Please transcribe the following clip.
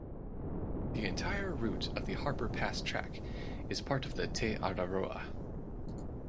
The entire route of the Harper Pass Track is part of Te Araroa.